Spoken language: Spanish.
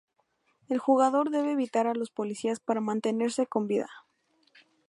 El jugador debe evitar a los policías para mantenerse con vida.